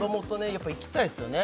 やっぱり行きたいですよね